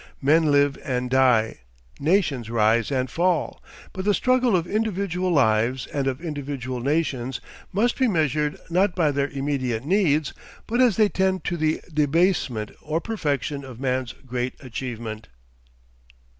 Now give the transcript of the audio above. Men live and die; nations rise and fall, but the struggle of individual lives and of individual nations must be measured not by their immediate needs, but as they tend to the debasement or perfection of man's great achievement."